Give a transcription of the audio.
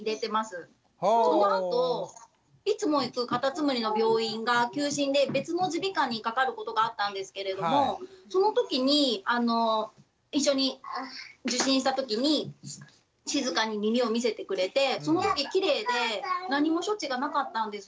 そのあといつも行くかたつむりの病院が休診で別の耳鼻科にかかることがあったんですけれどもそのときに一緒に受診したときに静かに耳を見せてくれてそのとききれいで何も処置がなかったんです。